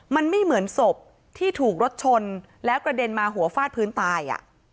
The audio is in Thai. มันไม่เหมือนศพที่ถูกรถชนแล้วกระเด็นมาหัวฟาดพื้นตาย